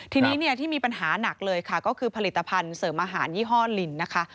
ทีนี้เนี่ยที่มีปัญหาหนักเลยค่ะก็คือผลิตภัณฑ์เสริมอาหารยี่ห้อลินนะคะ